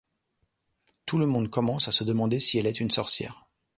Tout le monde commence à se demander si elle est une sorcière.